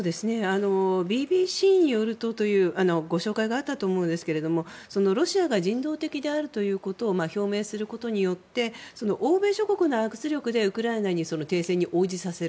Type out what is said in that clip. ＢＢＣによるとというご紹介があったと思いますがロシアが人道的であるということを表明することによって欧米諸国の圧力でウクライナに停戦に応じさせる。